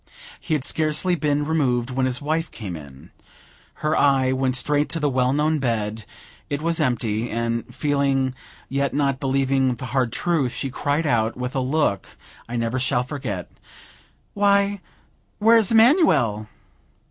He had scarcely been removed, when his wife came in. Her eye went straight to the well known bed; it was empty; and feeling, yet not believing the hard truth, she cried out, with a look I never shall forget: "Why, where's Emanuel?"